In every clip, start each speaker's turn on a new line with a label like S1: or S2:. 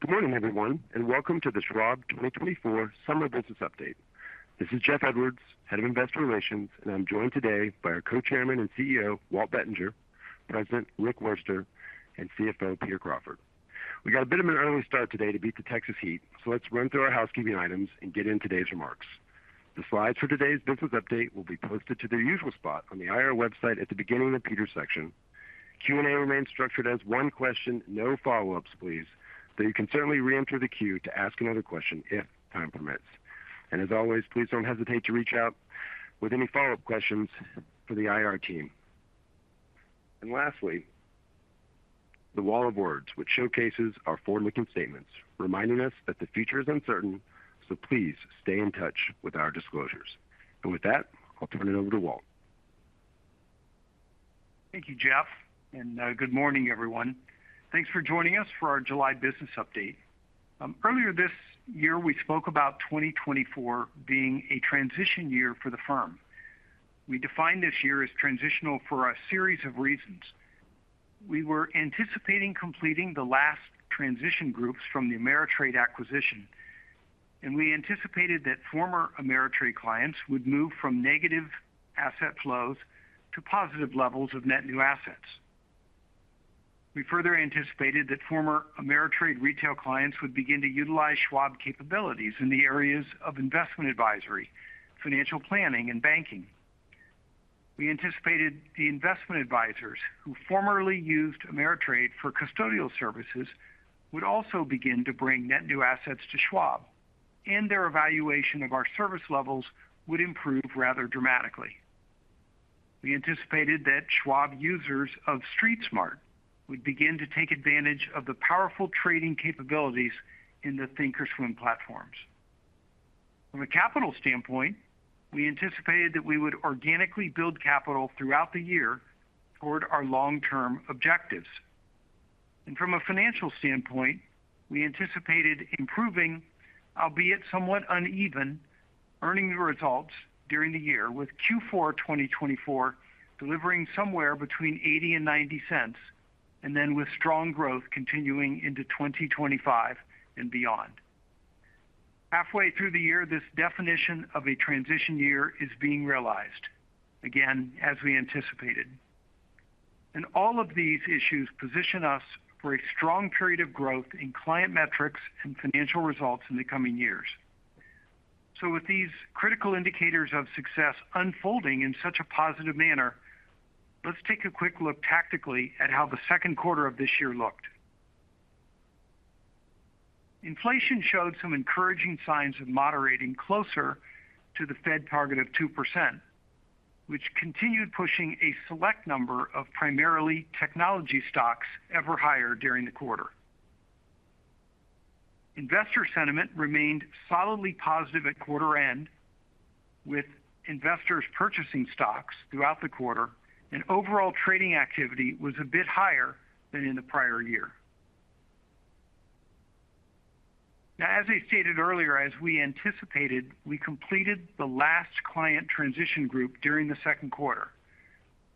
S1: Good morning, everyone, and welcome to the Schwab 2024 Summer Business Update. This is Jeff Edwards, Head of Investor Relations, and I'm joined today by our Co-Chairman and CEO, Walt Bettinger, President, Rick Wurster, and CFO, Peter Crawford. We got a bit of an early start today to beat the Texas heat, so let's run through our housekeeping items and get into today's remarks. The slides for today's business update will be posted to their usual spot on the IR website at the beginning of Peter's section. Q&A remains structured as one question, no follow-ups, please, but you can certainly reenter the queue to ask another question if time permits. And as always, please don't hesitate to reach out with any follow-up questions for the IR team. And lastly, the Wall of Words, which showcases our forward-looking statements, reminding us that the future is uncertain, so please stay in touch with our disclosures. And with that, I'll turn it over to Walt.
S2: Thank you, Jeff, and good morning, everyone. Thanks for joining us for our July business update. Earlier this year, we spoke about 2024 being a transition year for the firm. We defined this year as transitional for a series of reasons. We were anticipating completing the last transition groups from the Ameritrade acquisition, and we anticipated that former Ameritrade clients would move from negative asset flows to positive levels of net new assets. We further anticipated that former Ameritrade retail clients would begin to utilize Schwab capabilities in the areas of investment advisory, financial planning, and banking. We anticipated the investment advisors who formerly used Ameritrade for custodial services, would also begin to bring net new assets to Schwab, and their evaluation of our service levels would improve rather dramatically. We anticipated that Schwab users of StreetSmart would begin to take advantage of the powerful trading capabilities in the thinkorswim platforms. From a capital standpoint, we anticipated that we would organically build capital throughout the year toward our long-term objectives. From a financial standpoint, we anticipated improving, albeit somewhat uneven, earnings results during the year, with Q4 2024 delivering somewhere between $0.80 and $0.90, and then with strong growth continuing into 2025 and beyond. Halfway through the year, this definition of a transition year is being realized, again, as we anticipated. All of these issues position us for a strong period of growth in client metrics and financial results in the coming years. With these critical indicators of success unfolding in such a positive manner, let's take a quick look tactically at how the second quarter of this year looked. Inflation showed some encouraging signs of moderating closer to the Fed target of 2%, which continued pushing a select number of primarily technology stocks ever higher during the quarter. Investor sentiment remained solidly positive at quarter end, with investors purchasing stocks throughout the quarter, and overall trading activity was a bit higher than in the prior year. Now, as I stated earlier, as we anticipated, we completed the last client transition group during the second quarter.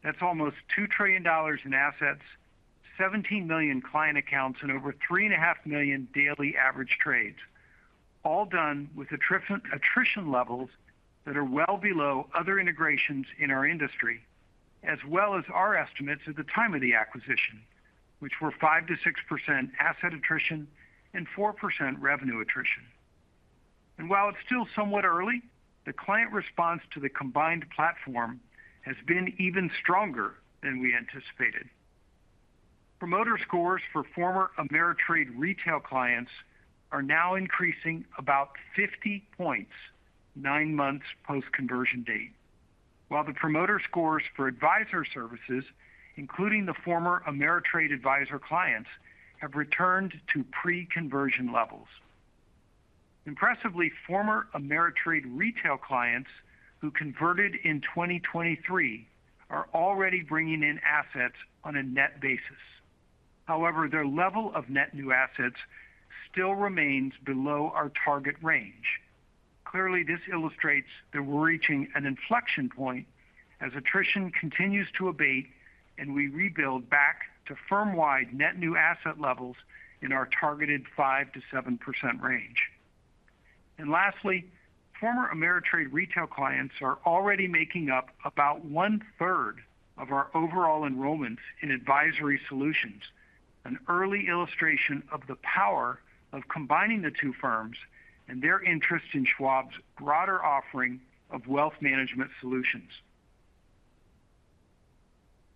S2: That's almost $2 trillion in assets, 17 million client accounts, and over 3.5 million daily average trades, all done with attrition, attrition levels that are well below other integrations in our industry, as well as our estimates at the time of the acquisition, which were 5%-6% asset attrition and 4% revenue attrition. And while it's still somewhat early, the client response to the combined platform has been even stronger than we anticipated. Promoter scores for former Ameritrade retail clients are now increasing about 50 points, 9 months post-conversion date. While the promoter scores for Advisor Services, including the former Ameritrade advisor clients, have returned to pre-conversion levels. Impressively, former Ameritrade retail clients who converted in 2023 are already bringing in assets on a net basis. However, their level of net new assets still remains below our target range. Clearly, this illustrates that we're reaching an inflection point as attrition continues to abate and we rebuild back to firm-wide net new asset levels in our targeted 5%-7% range. And lastly, former Ameritrade retail clients are already making up about one-third of our overall enrollments in advisory solutions, an early illustration of the power of combining the two firms and their interest in Schwab's broader offering of wealth management solutions.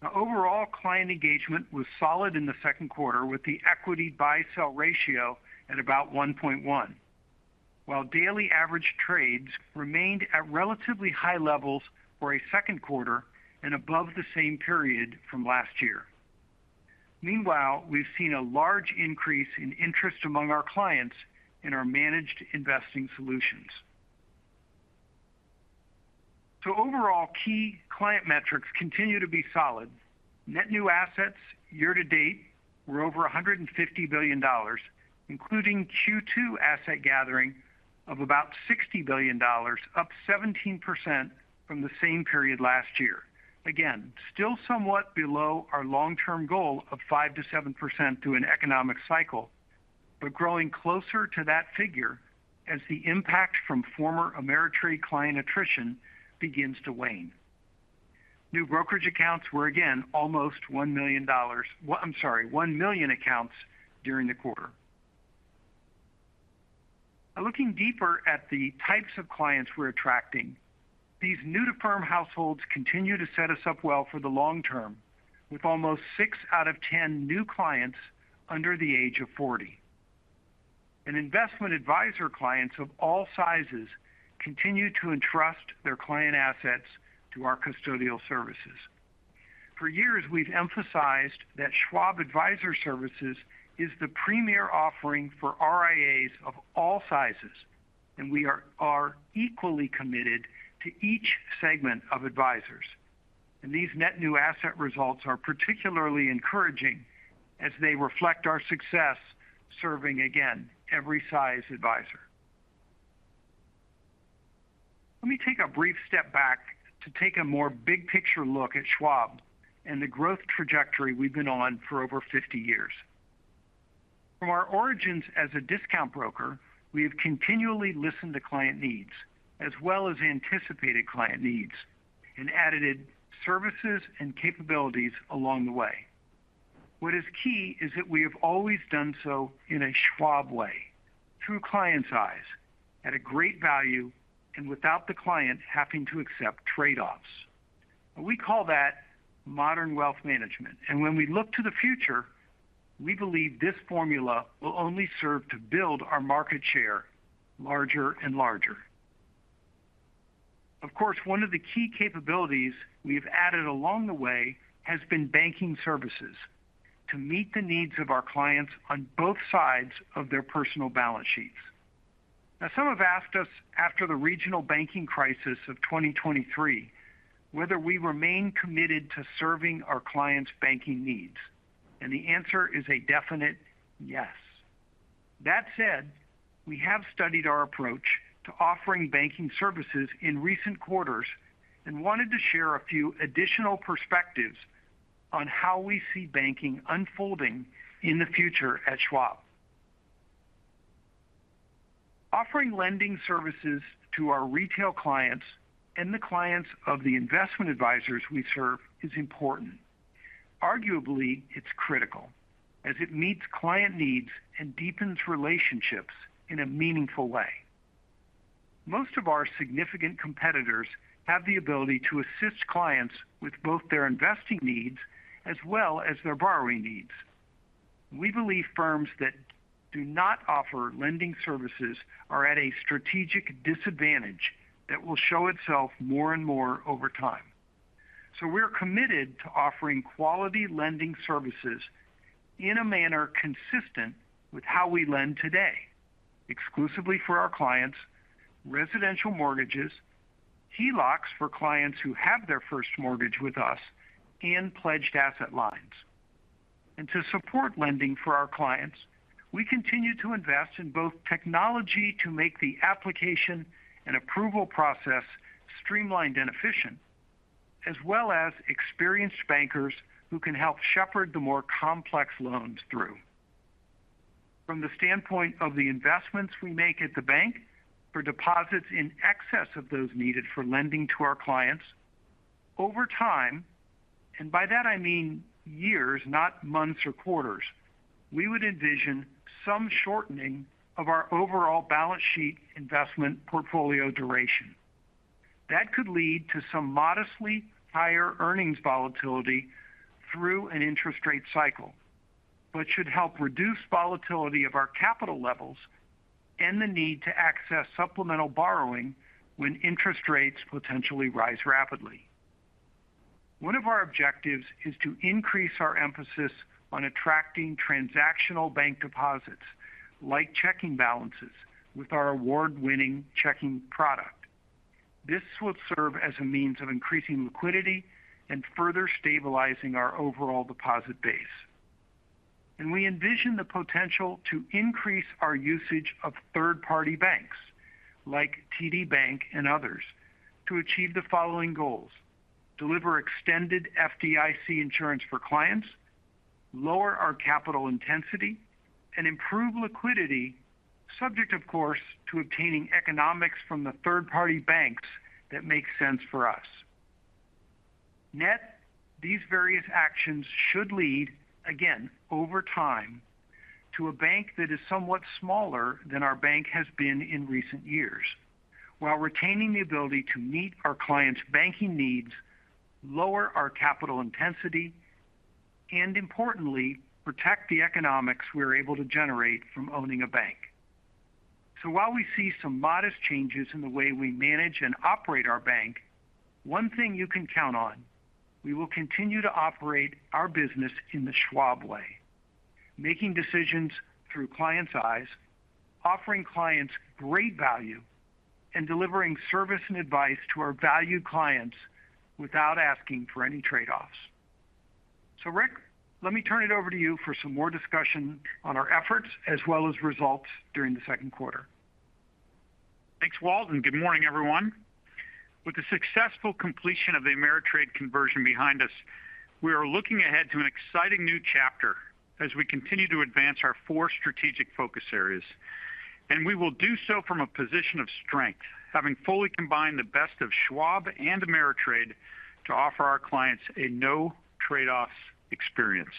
S2: Now, overall, client engagement was solid in the second quarter, with the equity buy-sell ratio at about 1.1, while daily average trades remained at relatively high levels for a second quarter and above the same period from last year. Meanwhile, we've seen a large increase in interest among our clients in our managed investing solutions. So overall, key client metrics continue to be solid. Net new assets year to date were over $150 billion, including Q2 asset gathering of about $60 billion, up 17% from the same period last year. Again, still somewhat below our long-term goal of 5%-7% through an economic cycle, but growing closer to that figure as the impact from former Ameritrade client attrition begins to wane. New brokerage accounts were again almost one million dollars. Well, I'm sorry, 1 million accounts during the quarter. Now, looking deeper at the types of clients we're attracting, these new-to-firm households continue to set us up well for the long term, with almost 6 out of 10 new clients under the age of 40. And investment advisor clients of all sizes continue to entrust their client assets to our custodial services. For years, we've emphasized that Schwab Advisor Services is the premier offering for RIAs of all sizes, and we are, are equally committed to each segment of advisors. These net new asset results are particularly encouraging as they reflect our success serving, again, every size advisor. Let me take a brief step back to take a more big-picture look at Schwab and the growth trajectory we've been on for over 50 years. From our origins as a discount broker, we have continually listened to client needs as well as anticipated client needs, and added services and capabilities along the way. What is key is that we have always done so in a Schwab way, through clients' eyes, at a great value, and without the client having to accept trade-offs. We call that modern wealth management, and when we look to the future, we believe this formula will only serve to build our market share larger and larger. Of course, one of the key capabilities we've added along the way has been banking services, to meet the needs of our clients on both sides of their personal balance sheets. Now, some have asked us, after the regional banking crisis of 2023, whether we remain committed to serving our clients' banking needs, and the answer is a definite yes. That said, we have studied our approach to offering banking services in recent quarters and wanted to share a few additional perspectives on how we see banking unfolding in the future at Schwab. Offering lending services to our retail clients and the clients of the investment advisors we serve is important. Arguably, it's critical as it meets client needs and deepens relationships in a meaningful way. Most of our significant competitors have the ability to assist clients with both their investing needs as well as their borrowing needs. We believe firms that do not offer lending services are at a strategic disadvantage that will show itself more and more over time. So we're committed to offering quality lending services in a manner consistent with how we lend today, exclusively for our clients, residential mortgages, HELOCs for clients who have their first mortgage with us, and pledged asset lines. And to support lending for our clients, we continue to invest in both technology to make the application and approval process streamlined and efficient, as well as experienced bankers who can help shepherd the more complex loans through. From the standpoint of the investments we make at the bank for deposits in excess of those needed for lending to our clients, over time, and by that I mean years, not months or quarters, we would envision some shortening of our overall balance sheet investment portfolio duration. That could lead to some modestly higher earnings volatility through an interest rate cycle, but should help reduce volatility of our capital levels and the need to access supplemental borrowing when interest rates potentially rise rapidly. One of our objectives is to increase our emphasis on attracting transactional bank deposits, like checking balances, with our award-winning checking product. This will serve as a means of increasing liquidity and further stabilizing our overall deposit base. We envision the potential to increase our usage of third-party banks, like TD Bank and others, to achieve the following goals: deliver extended FDIC insurance for clients, lower our capital intensity, and improve liquidity, subject, of course, to obtaining economics from the third-party banks that make sense for us. Net, these various actions should lead, again, over time, to a bank that is somewhat smaller than our bank has been in recent years, while retaining the ability to meet our clients' banking needs, lower our capital intensity, and importantly, protect the economics we're able to generate from owning a bank. So while we see some modest changes in the way we manage and operate our bank, one thing you can count on, we will continue to operate our business in the Schwab way, making decisions through clients' eyes, offering clients great value, and delivering service and advice to our valued clients without asking for any trade-offs.... So Rick, let me turn it over to you for some more discussion on our efforts as well as results during the second quarter. Thanks, Walt, and good morning, everyone. With the successful completion of the Ameritrade conversion behind us, we are looking ahead to an exciting new chapter as we continue to advance our four strategic focus areas. We will do so from a position of strength, having fully combined the best of Schwab and Ameritrade to offer our clients a no trade-offs experience.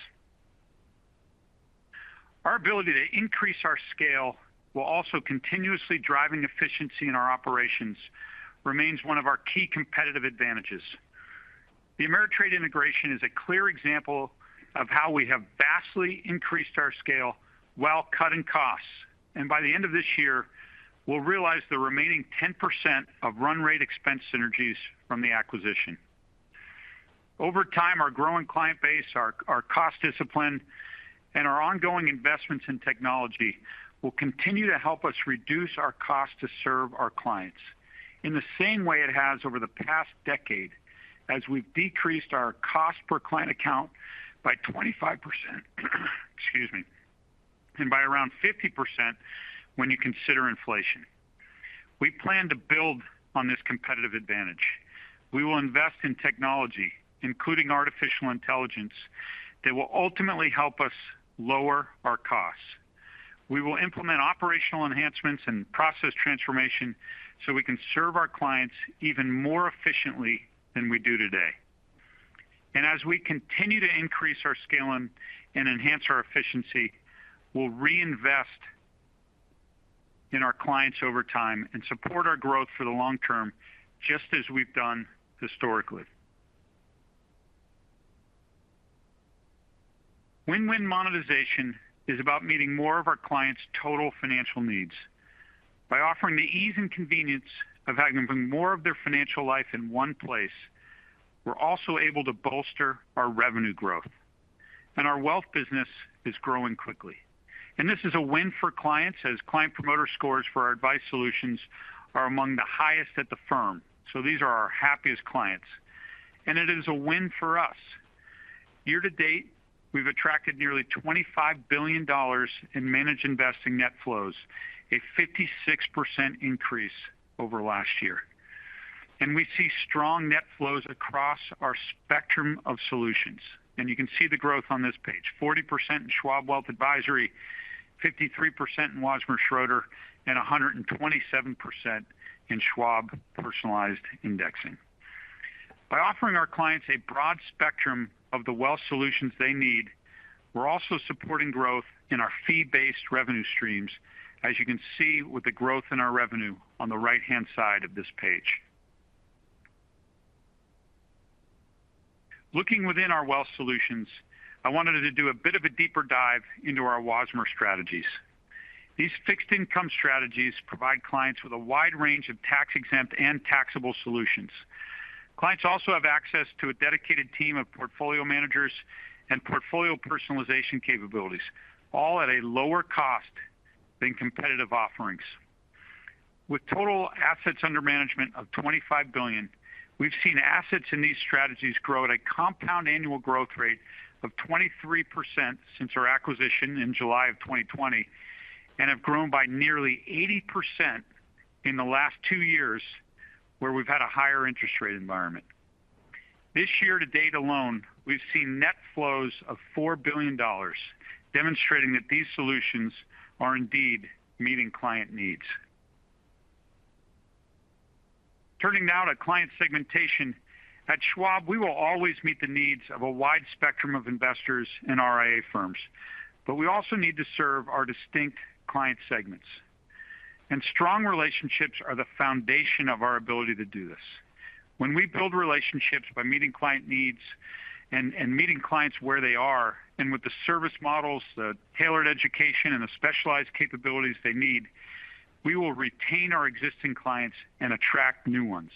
S2: Our ability to increase our scale while also continuously driving efficiency in our operations remains one of our key competitive advantages. The Ameritrade integration is a clear example of how we have vastly increased our scale while cutting costs, and by the end of this year, we'll realize the remaining 10% of run rate expense synergies from the acquisition.
S3: Over time, our growing client base, our cost discipline, and our ongoing investments in technology will continue to help us reduce our cost to serve our clients in the same way it has over the past decade, as we've decreased our cost per client account by 25%, excuse me, and by around 50% when you consider inflation. We plan to build on this competitive advantage. We will invest in technology, including artificial intelligence, that will ultimately help us lower our costs. We will implement operational enhancements and process transformation so we can serve our clients even more efficiently than we do today. And as we continue to increase our scale and enhance our efficiency, we'll reinvest in our clients over time and support our growth for the long term, just as we've done historically. Win-win monetization is about meeting more of our clients' total financial needs. By offering the ease and convenience of having more of their financial life in one place, we're also able to bolster our revenue growth, and our wealth business is growing quickly. This is a win for clients, as Client Promoter Scores for our advice solutions are among the highest at the firm. These are our happiest clients, and it is a win for us. Year to date, we've attracted nearly $25 billion in managed investing net flows, a 56% increase over last year. We see strong net flows across our spectrum of solutions, and you can see the growth on this page. 40% in Schwab Wealth Advisory, 53% in Wasmer Schroeder, and 127% in Schwab Personalized Indexing. By offering our clients a broad spectrum of the wealth solutions they need, we're also supporting growth in our fee-based revenue streams, as you can see with the growth in our revenue on the right-hand side of this page. Looking within our wealth solutions, I wanted to do a bit of a deeper dive into our Wasmer strategies. These fixed income strategies provide clients with a wide range of tax-exempt and taxable solutions. Clients also have access to a dedicated team of portfolio managers and portfolio personalization capabilities, all at a lower cost than competitive offerings. With total assets under management of $25 billion, we've seen assets in these strategies grow at a compound annual growth rate of 23% since our acquisition in July 2020, and have grown by nearly 80% in the last two years, where we've had a higher interest rate environment. This year, to date alone, we've seen net flows of $4 billion, demonstrating that these solutions are indeed meeting client needs. Turning now to client segmentation. At Schwab, we will always meet the needs of a wide spectrum of investors and RIA firms, but we also need to serve our distinct client segments. Strong relationships are the foundation of our ability to do this. When we build relationships by meeting client needs and meeting clients where they are, and with the service models, the tailored education, and the specialized capabilities they need, we will retain our existing clients and attract new ones.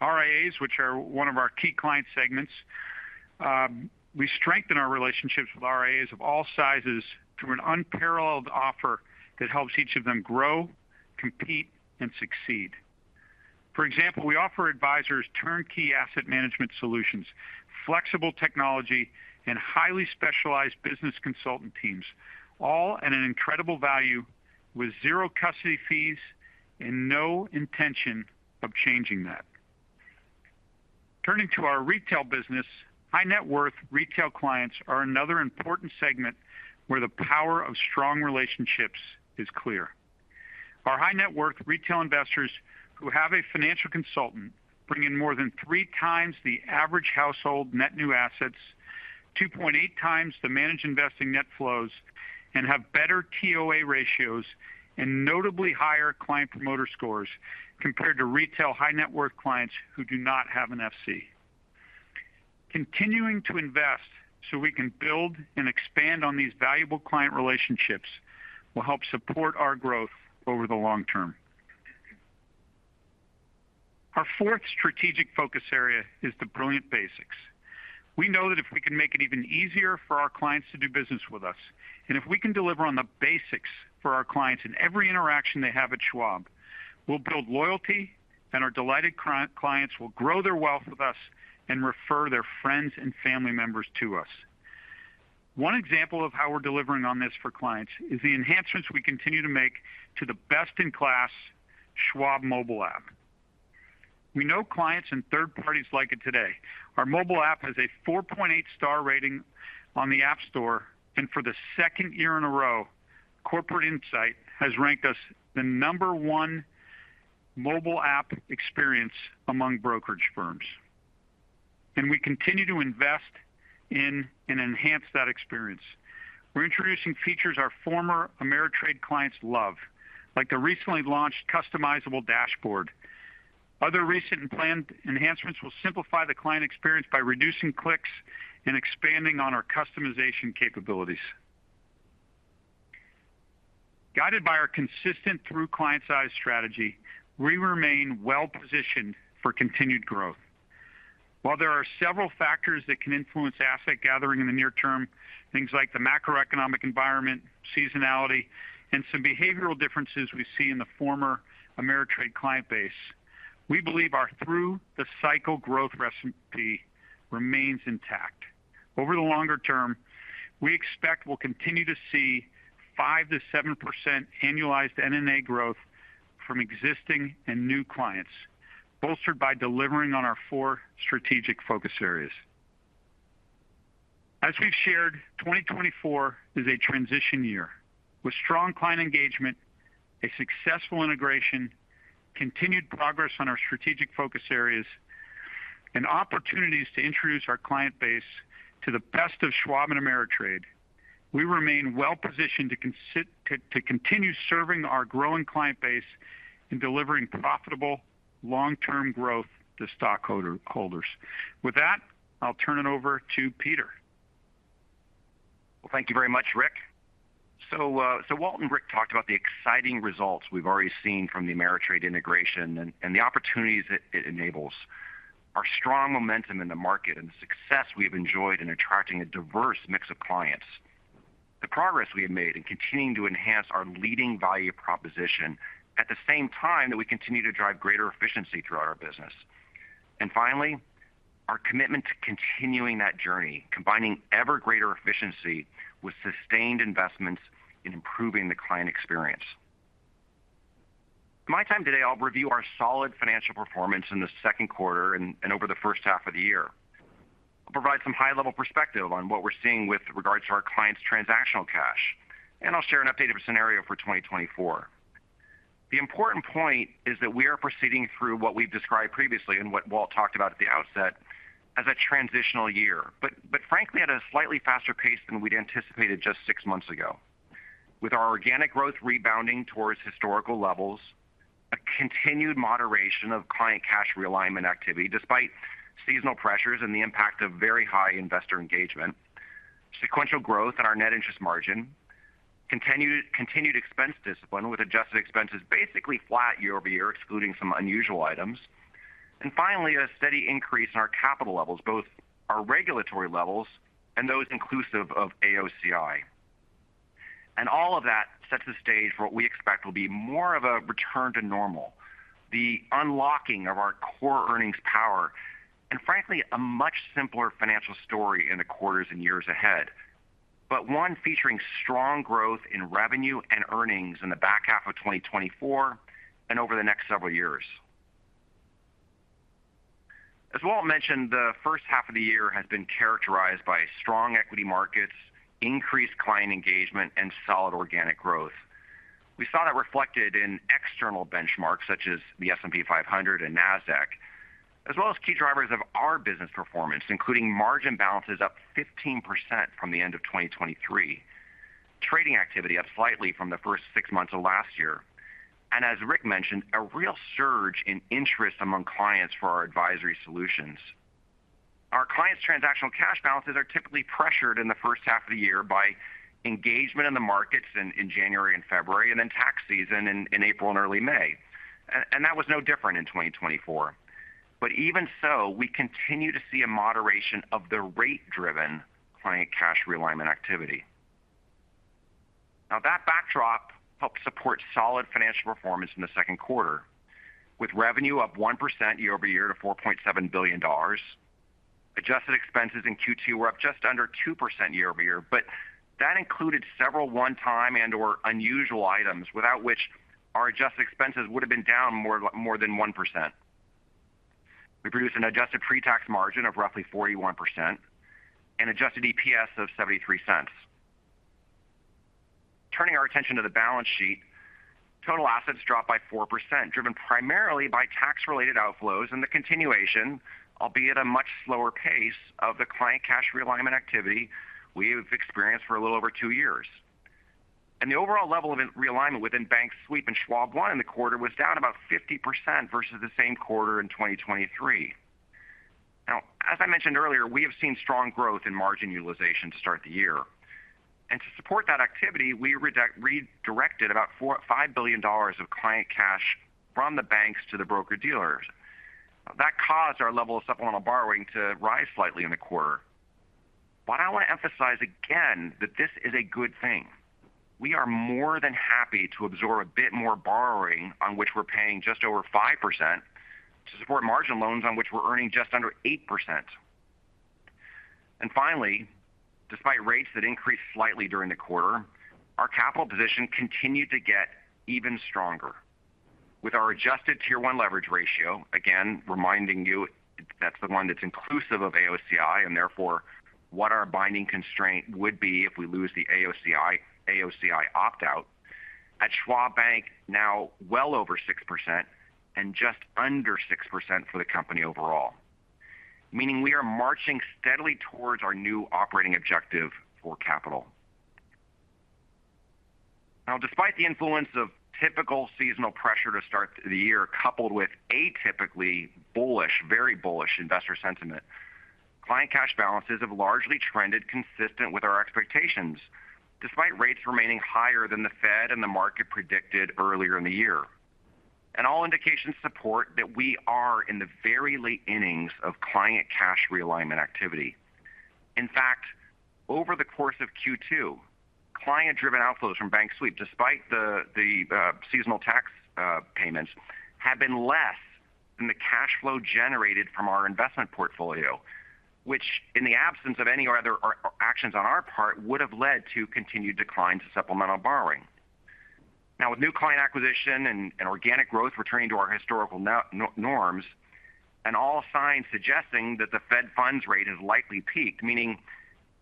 S3: RIAs, which are one of our key client segments, we strengthen our relationships with RIAs of all sizes through an unparalleled offer that helps each of them grow, compete, and succeed. For example, we offer advisors turnkey asset management solutions, flexible technology, and highly specialized business consultant teams, all at an incredible value with zero custody fees and no intention of changing that. Turning to our retail business, high net worth retail clients are another important segment where the power of strong relationships is clear. Our high net worth retail investors who have a financial consultant bring in more than 3 times the average household net new assets, 2.8 times the managed investing net flows, and have better TOA ratios and notably higher Client Promoter Scores compared to retail high net worth clients who do not have an FC. Continuing to invest so we can build and expand on these valuable client relationships will help support our growth over the long term. Our fourth strategic focus area is the brilliant basics. We know that if we can make it even easier for our clients to do business with us, and if we can deliver on the basics for our clients in every interaction they have at Schwab, we'll build loyalty, and our delighted clients will grow their wealth with us and refer their friends and family members to us. One example of how we're delivering on this for clients is the enhancements we continue to make to the best-in-class Schwab Mobile app. We know clients and third parties like it today. Our mobile app has a 4.8-star rating on the App Store, and for the second year in a row, Corporate Insight has ranked us the number one mobile app experience among brokerage firms. We continue to invest in and enhance that experience. We're introducing features our former Ameritrade clients love, like the recently launched customizable dashboard. Other recent and planned enhancements will simplify the client experience by reducing clicks and expanding on our customization capabilities. Guided by our consistent Through Clients' Eyes strategy, we remain well positioned for continued growth. While there are several factors that can influence asset gathering in the near term, things like the macroeconomic environment, seasonality, and some behavioral differences we see in the former Ameritrade client base, we believe our through the cycle growth recipe remains intact. Over the longer term, we expect we'll continue to see 5%-7% annualized NNA growth from existing and new clients, bolstered by delivering on our four strategic focus areas. As we've shared, 2024 is a transition year. With strong client engagement, a successful integration, continued progress on our strategic focus areas, and opportunities to introduce our client base to the best of Schwab and Ameritrade, we remain well positioned to continue serving our growing client base in delivering profitable, long-term growth to stockholders. With that, I'll turn it over to Peter.
S4: Well, thank you very much, Rick. So, so Walt and Rick talked about the exciting results we've already seen from the Ameritrade integration and the opportunities it enables. Our strong momentum in the market and the success we've enjoyed in attracting a diverse mix of clients, the progress we have made in continuing to enhance our leading value proposition, at the same time, that we continue to drive greater efficiency throughout our business. Finally, our commitment to continuing that journey, combining ever greater efficiency with sustained investments in improving the client experience. My time today, I'll review our solid financial performance in the second quarter and over the first half of the year. I'll provide some high-level perspective on what we're seeing with regards to our clients' transactional cash, and I'll share an updated scenario for 2024. The important point is that we are proceeding through what we've described previously and what Walt talked about at the outset as a transitional year, but frankly, at a slightly faster pace than we'd anticipated just six months ago. With our organic growth rebounding towards historical levels, a continued moderation of client cash realignment activity, despite seasonal pressures and the impact of very high investor engagement, sequential growth in our net interest margin, continued expense discipline, with adjusted expenses basically flat year-over-year, excluding some unusual items. And finally, a steady increase in our capital levels, both our regulatory levels and those inclusive of AOCI. And all of that sets the stage for what we expect will be more of a return to normal, the unlocking of our core earnings power, and frankly, a much simpler financial story in the quarters and years ahead. But one featuring strong growth in revenue and earnings in the back half of 2024 and over the next several years. As Walt mentioned, the first half of the year has been characterized by strong equity markets, increased client engagement, and solid organic growth. We saw that reflected in external benchmarks such as the S&P 500 and Nasdaq, as well as key drivers of our business performance, including margin balances up 15% from the end of 2023, trading activity up slightly from the first six months of last year, and as Rick mentioned, a real surge in interest among clients for our advisory solutions. Our clients' transactional cash balances are typically pressured in the first half of the year by engagement in the markets in January and February, and then tax season in April and early May. That was no different in 2024. But even so, we continue to see a moderation of the rate-driven client cash realignment activity. Now, that backdrop helped support solid financial performance in the second quarter, with revenue up 1% year-over-year to $4.7 billion. Adjusted expenses in Q2 were up just under 2% year-over-year, but that included several one-time and/or unusual items, without which our adjusted expenses would have been down more than 1%. We produced an adjusted pre-tax margin of roughly 41% and adjusted EPS of $0.73. Turning our attention to the balance sheet, total assets dropped by 4%, driven primarily by tax-related outflows and the continuation, albeit at a much slower pace, of the client cash realignment activity we have experienced for a little over 2 years. The overall level of realignment within Bank Sweep and Schwab One in the quarter was down about 50% versus the same quarter in 2023. Now, as I mentioned earlier, we have seen strong growth in margin utilization to start the year. And to support that activity, we redirected about $4-5 billion of client cash from the banks to the broker-dealer, our level of supplemental borrowing to rise slightly in the quarter. But I want to emphasize again that this is a good thing. We are more than happy to absorb a bit more borrowing on which we're paying just over 5%, to support margin loans on which we're earning just under 8%. And finally, despite rates that increased slightly during the quarter, our capital position continued to get even stronger. With our Adjusted Tier 1 Leverage Ratio, again, reminding you that's the one that's inclusive of AOCI, and therefore, what our binding constraint would be if we lose the AOCI, AOCI opt-out. At Schwab Bank, now well over 6% and just under 6% for the company overall. Meaning we are marching steadily towards our new operating objective for capital. Now, despite the influence of typical seasonal pressure to start the year, coupled with atypically bullish, very bullish investor sentiment, client cash balances have largely trended consistent with our expectations, despite rates remaining higher than the Fed and the market predicted earlier in the year. All indications support that we are in the very late innings of client cash realignment activity. In fact, over the course of Q2, client-driven outflows from Bank Sweep, despite the seasonal tax payments, have been less than the cash flow generated from our investment portfolio. Which, in the absence of any other actions on our part, would have led to continued declines in supplemental borrowing. Now, with new client acquisition and organic growth returning to our historical norms, and all signs suggesting that the Fed funds rate has likely peaked, meaning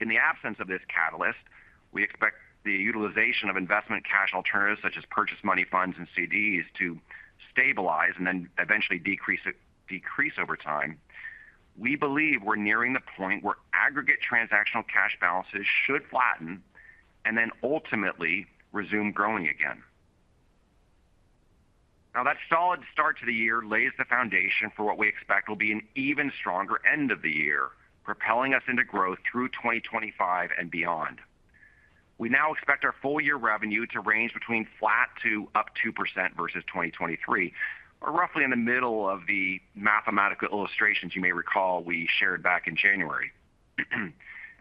S4: in the absence of this catalyst, we expect the utilization of investment cash alternatives such as money market funds and CDs, to stabilize and then eventually decrease over time. We believe we're nearing the point where aggregate transactional cash balances should flatten and then ultimately resume growing again. Now, that solid start to the year lays the foundation for what we expect will be an even stronger end of the year, propelling us into growth through 2025 and beyond. We now expect our full year revenue to range between flat to up 2% versus 2023, or roughly in the middle of the mathematical illustrations you may recall we shared back in January.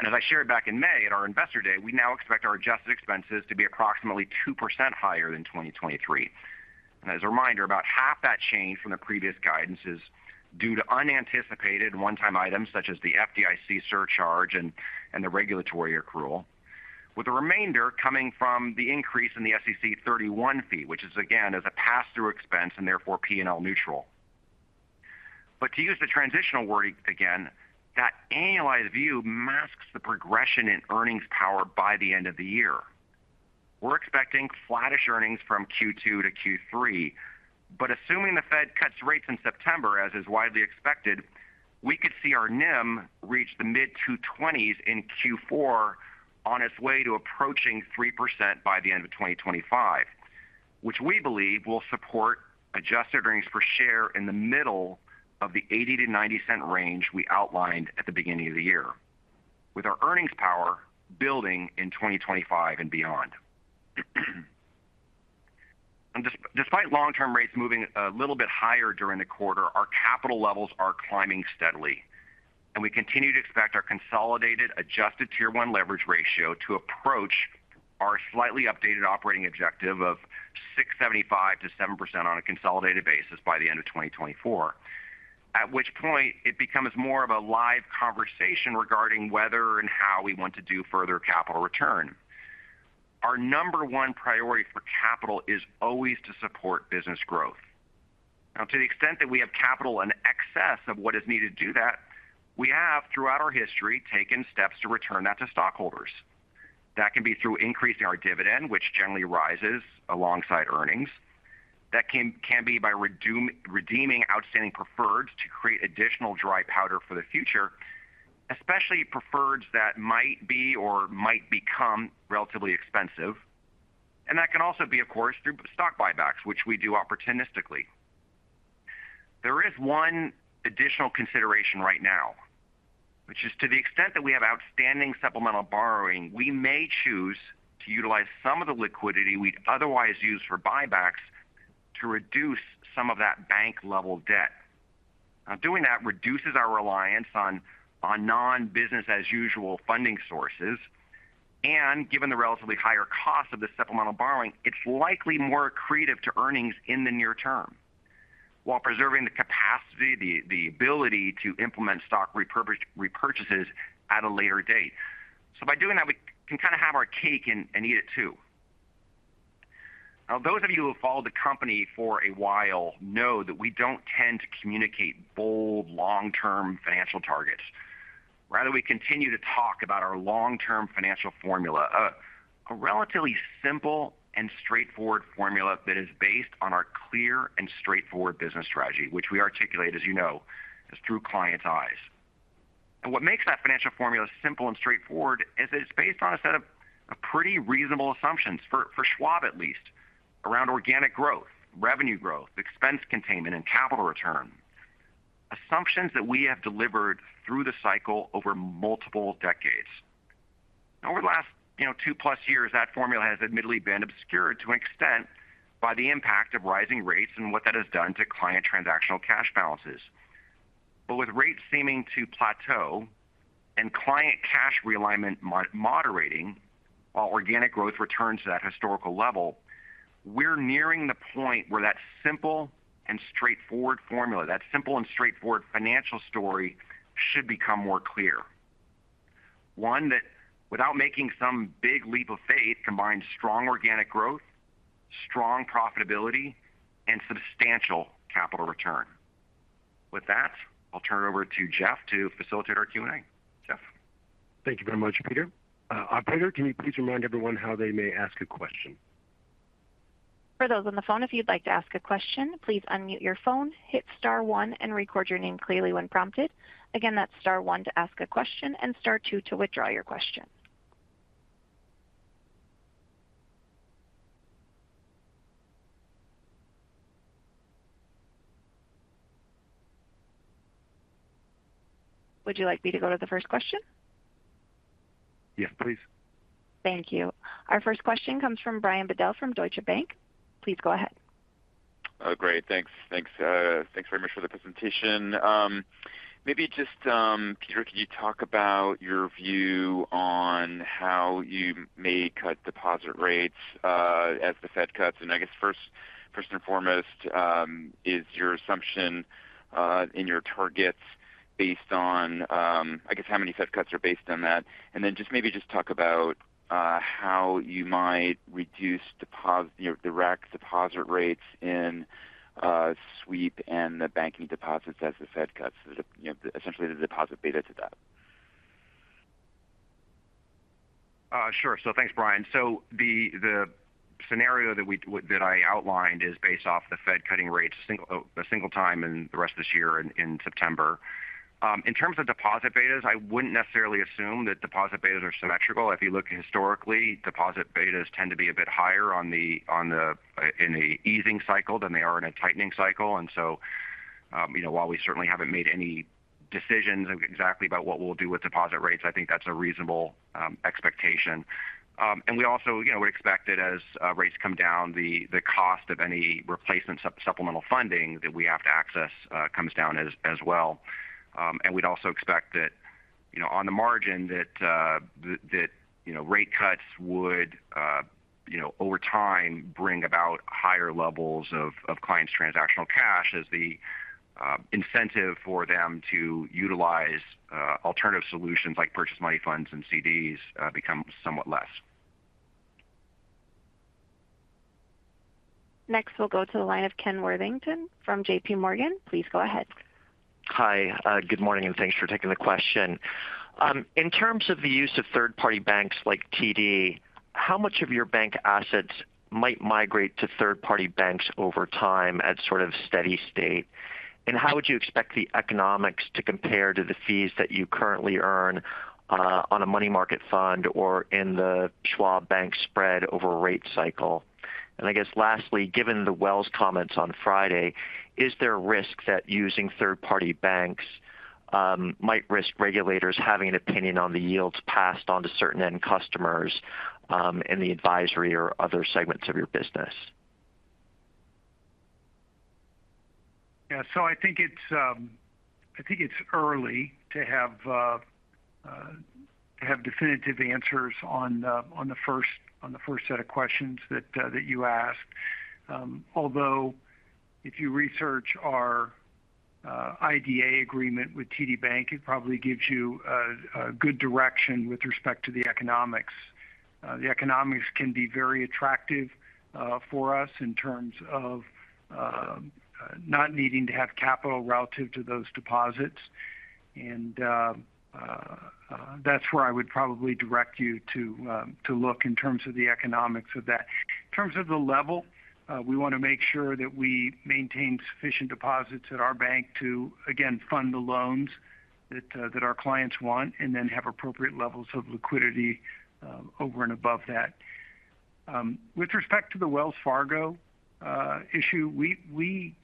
S4: As I shared back in May at our Investor Day, we now expect our adjusted expenses to be approximately 2% higher than 2023. As a reminder, about half that change from the previous guidance is due to unanticipated one-time items, such as the FDIC surcharge and the regulatory accrual, with the remainder coming from the increase in the SEC 31 fee, which is, again, a pass-through expense and therefore P&L neutral. To use the transitional word again, that annualized view masks the progression in earnings power by the end of the year. We're expecting flattish earnings from Q2 to Q3, but assuming the Fed cuts rates in September, as is widely expected, we could see our NIM reach the mid-2.20s in Q4 on its way to approaching 3% by the end of 2025. Which we believe will support adjusted earnings per share in the middle of the $0.80-$0.90 range we outlined at the beginning of the year, with our earnings power building in 2025 and beyond. Despite long-term rates moving a little bit higher during the quarter, our capital levels are climbing steadily, and we continue to expect our consolidated Adjusted Tier 1 Leverage Ratio to approach our slightly updated operating objective of 6.75%-7% on a consolidated basis by the end of 2024. At which point, it becomes more of a live conversation regarding whether and how we want to do further capital return. Our number one priority for capital is always to support business growth. Now, to the extent that we have capital in excess of what is needed to do that, we have, throughout our history, taken steps to return that to stockholders. That can be through increasing our dividend, which generally rises alongside earnings. That can be by redeeming outstanding preferred to create additional dry powder for the future, especially preferreds that might be or might become relatively expensive. And that can also be, of course, through stock buybacks, which we do opportunistically. There is one additional consideration right now, which is to the extent that we have outstanding supplemental borrowing, we may choose to utilize some of the liquidity we'd otherwise use for buybacks to reduce some of that bank-level debt. Now, doing that reduces our reliance on non-business-as-usual funding sources, and given the relatively higher cost of the supplemental borrowing, it's likely more accretive to earnings in the near term, while preserving the capacity, the ability to implement stock repurchases at a later date. So by doing that, we can kind of have our cake and eat it too. Now, those of you who have followed the company for a while know that we don't tend to communicate bold, long-term financial targets. Rather, we continue to talk about our long-term financial formula, a relatively simple and straightforward formula that is based on our clear and straightforward business strategy, which we articulate, as you know, is through clients' eyes. And what makes that financial formula simple and straightforward is it's based on a set of pretty reasonable assumptions for Schwab at least, around organic growth, revenue growth, expense containment, and capital return. Assumptions that we have delivered through the cycle over multiple decades. Over the last, you know, two-plus years, that formula has admittedly been obscured to an extent by the impact of rising rates and what that has done to client transactional cash balances. But with rates seeming to plateau and client cash realignment moderating while organic growth returns to that historical level, we're nearing the point where that simple and straightforward formula, that simple and straightforward financial story should become more clear. One, that without making some big leap of faith, combines strong organic growth, strong profitability, and substantial capital return. With that, I'll turn it over to Jeff to facilitate our Q&A. Jeff?
S1: Thank you very much, Peter. Operator, can you please remind everyone how they may ask a question?
S5: For those on the phone, if you'd like to ask a question, please unmute your phone, hit star one, and record your name clearly when prompted. Again, that's star one to ask a question and star two to withdraw your question. Would you like me to go to the first question?
S2: Yes, please.
S5: Thank you. Our first question comes from Brian Bedell from Deutsche Bank. Please go ahead.
S6: Oh, great. Thanks. Thanks, thanks very much for the presentation. Maybe just, Peter, can you talk about your view on how you may cut deposit rates as the Fed cuts? And I guess first, first and foremost, is your assumption in your targets based on, I guess, how many Fed cuts are based on that? And then just maybe just talk about how you might reduce direct deposit rates in sweep and the banking deposits as the Fed cuts, you know, essentially the deposit beta to that.
S4: Sure. So thanks, Brian. So the scenario that I outlined is based off the Fed cutting rates a single time in the rest of this year in September. In terms of deposit betas, I wouldn't necessarily assume that deposit betas are symmetrical. If you look historically, deposit betas tend to be a bit higher in a easing cycle than they are in a tightening cycle. And so, you know, while we certainly haven't made any decisions exactly about what we'll do with deposit rates, I think that's a reasonable expectation. And we also, you know, would expect that as rates come down, the cost of any replacement supplemental funding that we have to access comes down as well. And we'd also expect that, you know, on the margin, that rate cuts would, you know, over time bring about higher levels of clients' transactional cash as the incentive for them to utilize alternative solutions like purchased money funds and CDs become somewhat less.
S5: Next, we'll go to the line of Ken Worthington from J.P. Morgan. Please go ahead.
S7: Hi, good morning, and thanks for taking the question. In terms of the use of third-party banks like TD, how much of your bank assets might migrate to third-party banks over time at sort of steady state? And how would you expect the economics to compare to the fees that you currently earn on a money market fund or in the Schwab Bank spread over a rate cycle? And I guess lastly, given the Wells comments on Friday, is there a risk that using third-party banks might risk regulators having an opinion on the yields passed on to certain end customers in the advisory or other segments of your business?
S2: Yeah, so I think it's early to have definitive answers on the first set of questions that you asked. Although if you research our IDA agreement with TD Bank, it probably gives you a good direction with respect to the economics. The economics can be very attractive for us in terms of not needing to have capital relative to those deposits. And that's where I would probably direct you to look in terms of the economics of that. In terms of the level, we want to make sure that we maintain sufficient deposits at our bank to, again, fund the loans that our clients want, and then have appropriate levels of liquidity over and above that. With respect to the Wells Fargo issue, we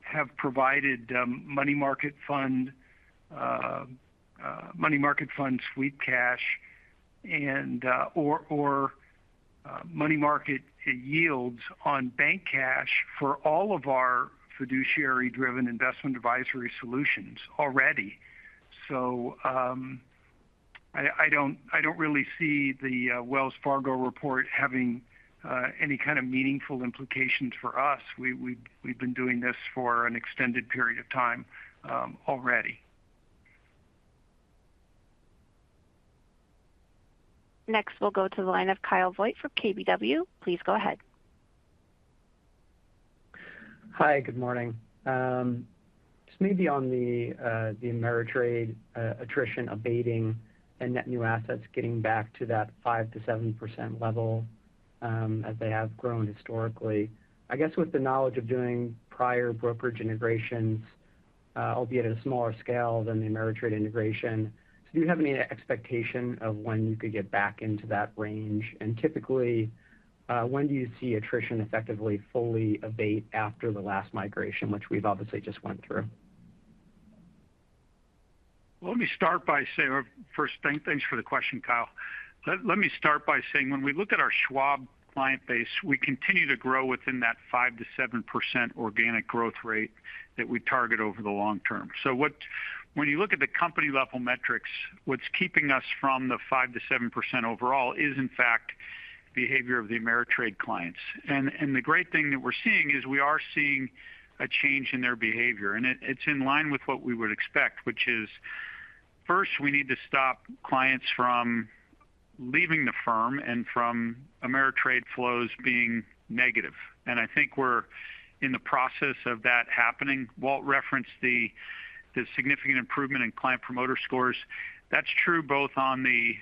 S2: have provided money market fund sweep cash and money market yields on bank cash for all of our fiduciary-driven investment advisory solutions already. So, I don't really see the Wells Fargo report having any kind of meaningful implications for us. We've been doing this for an extended period of time already.
S5: Next, we'll go to the line of Kyle Voigt from KBW. Please go ahead.
S8: Hi, good morning. Just maybe on the Ameritrade attrition abating and net new assets getting back to that 5%-7% level, as they have grown historically. I guess with the knowledge of doing prior brokerage integrations, albeit at a smaller scale than the Ameritrade integration, so do you have any expectation of when you could get back into that range? And typically, when do you see attrition effectively fully abate after the last migration, which we've obviously just went through?...
S3: Well, let me start by saying, first, thanks for the question, Kyle. Let me start by saying, when we look at our Schwab client base, we continue to grow within that 5%-7% organic growth rate that we target over the long term. So when you look at the company level metrics, what's keeping us from the 5%-7% overall is, in fact, behavior of the Ameritrade clients. And the great thing that we're seeing is we are seeing a change in their behavior, and it's in line with what we would expect, which is, first, we need to stop clients from leaving the firm and from Ameritrade flows being negative. And I think we're in the process of that happening. Walt referenced the significant improvement in Client Promoter Scores. That's true both on the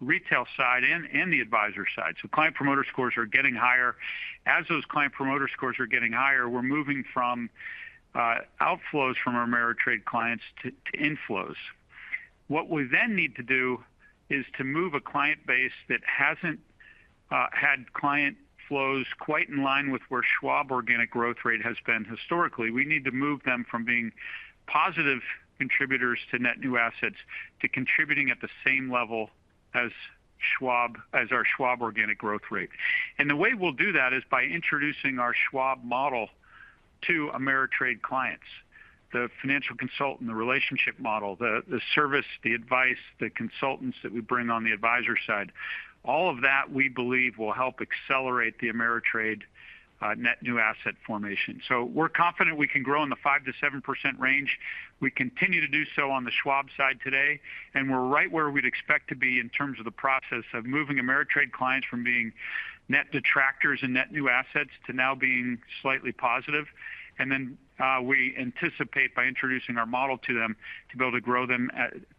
S3: retail side and the advisor side. So Client Promoter Scores are getting higher. As those Client Promoter Scores are getting higher, we're moving from outflows from our Ameritrade clients to inflows. What we then need to do is to move a client base that hasn't had client flows quite in line with where Schwab organic growth rate has been historically. We need to move them from being positive contributors to net new assets, to contributing at the same level as Schwab as our Schwab organic growth rate. And the way we'll do that is by introducing our Schwab model to Ameritrade clients. The financial consultant, the relationship model, the service, the advice, the consultants that we bring on the advisor side, all of that, we believe, will help accelerate the Ameritrade net new asset formation. So we're confident we can grow in the 5%-7% range. We continue to do so on the Schwab side today, and we're right where we'd expect to be in terms of the process of moving Ameritrade clients from being net detractors and net new assets to now being slightly positive. And then, we anticipate, by introducing our model to them, to be able to grow them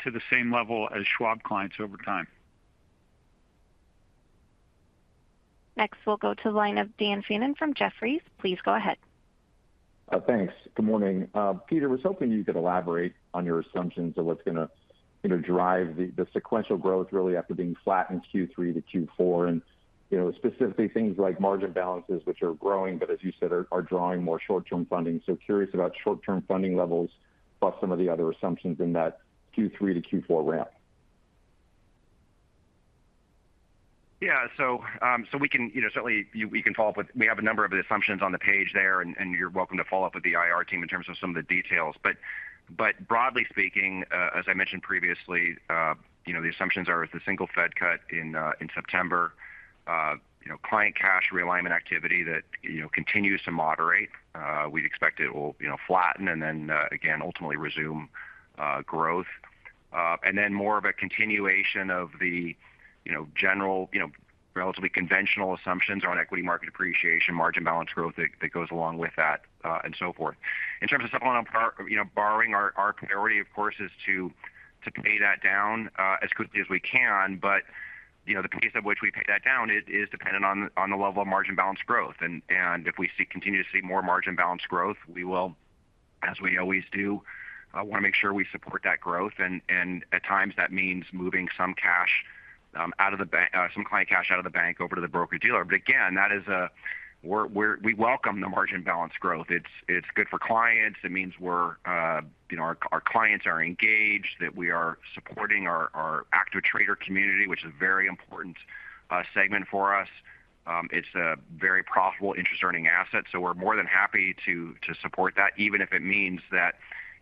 S3: to the same level as Schwab clients over time.
S5: Next, we'll go to the line of Dan Fannon from Jefferies. Please go ahead.
S9: Thanks. Good morning. Peter, I was hoping you could elaborate on your assumptions of what's going to, you know, drive the, the sequential growth really after being flat in Q3 to Q4, and, you know, specifically things like margin balances, which are growing, but as you said, are, are drawing more short-term funding. So curious about short-term funding levels, plus some of the other assumptions in that Q3 to Q4 ramp.
S4: Yeah, so, so we can, you know, certainly, we can follow up with... We have a number of the assumptions on the page there, and you're welcome to follow up with the IR team in terms of some of the details. But broadly speaking, as I mentioned previously, you know, the assumptions are with a single Fed cut in September. You know, client cash realignment activity that, you know, continues to moderate. We'd expect it will, you know, flatten and then, again, ultimately resume growth. And then more of a continuation of the, you know, general, you know, relatively conventional assumptions on equity market appreciation, margin balance growth that goes along with that, and so forth. In terms of supplemental borrowing, you know, our priority, of course, is to pay that down as quickly as we can. But, you know, the pace at which we pay that down is dependent on the level of margin balance growth. And if we continue to see more margin balance growth, we will, as we always do, want to make sure we support that growth, and at times, that means moving some cash out of the bank some client cash out of the bank over to the broker-dealer. But again, that is, we welcome the margin balance growth. It's good for clients. It means we're, you know, our clients are engaged, that we are supporting our active trader community, which is a very important segment for us. It's a very profitable interest-earning asset, so we're more than happy to support that, even if it means that